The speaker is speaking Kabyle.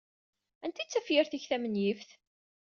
Anta i d tafyirt-ik tamenyift?